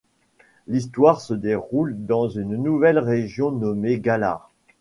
L'histoire se déroule dans une nouvelle région nommée Galar.